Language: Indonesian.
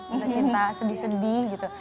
kita cinta sedih sedih gitu